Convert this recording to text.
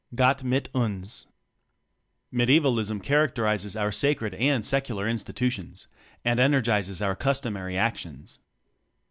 "Gott mit tins." Medievalism characterizes our sa cred and secular institutions and energizes our customary actions.